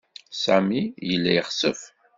Sami yella yexsef.